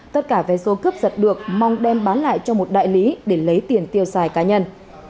tất cả vé số cướp giật được mong đem bán lại cho một đại lý để lấy tiền tiêu xài cá nhân